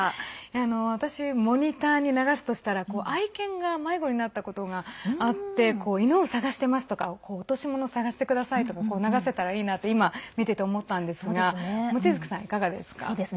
私、モニターに流すとしたら愛犬が迷子になったことがあって犬を捜していますとか落し物を探してくださいとか流せたらいいなって今、見てて思ったんですが望月さん、いかがですか？